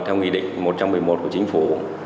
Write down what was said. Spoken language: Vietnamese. theo nghị định một trăm một mươi một của chính phủ